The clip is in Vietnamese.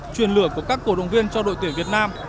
chuyên lừa của các cổ động viên cho đội tuyển việt nam